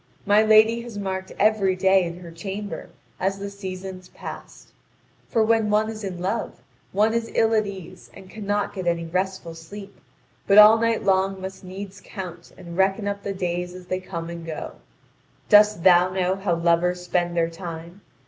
My lady had marked every day in her chamber, as the seasons passed: for when one is in love, one is ill at ease and cannot get any restful sleep, but all night long must needs count and reckon up the days as they come and go. Dost thou know how lovers spend their time?